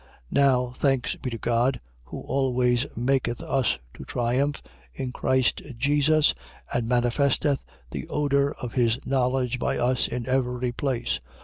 2:14. Now thanks be to God, who always maketh us to triumph in Christ Jesus and manifesteth the odour of his knowledge by us in every place.